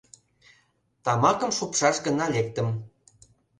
Тамакым шупшаш гына лектым.